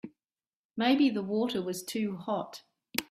Maybe the water was too hot.